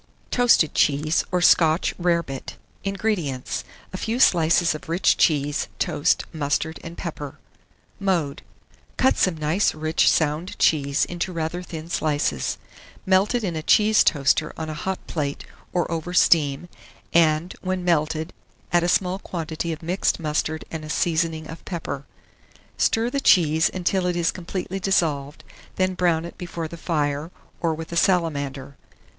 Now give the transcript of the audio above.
TOASTED CHEESE, or SCOTCH RARE BIT. 1651. INGREDIENTS. A few slices of rich cheese, toast, mustard, and pepper. [Illustration: HOT WATER CHEESE DISH.] Mode. Cut some nice rich sound cheese into rather thin slices; melt it in a cheese toaster on a hot plate, or over steam, and, when melted, add a small quantity of mixed mustard and a seasoning of pepper; stir the cheese until it is completely dissolved, then brown it before the fire, or with a salamander.